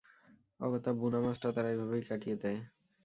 অগত্যা বুনা মাসটা তারা এভাবেই কাটিয়ে দেয়।